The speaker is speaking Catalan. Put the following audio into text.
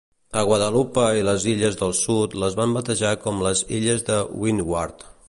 A Guadalupe i les illes del sud les van batejar com les "illes de Windward".